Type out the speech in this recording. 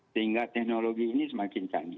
sehingga teknologi ini semakin canggih